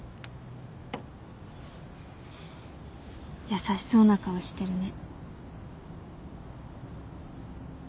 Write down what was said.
優しそうな顔してるね。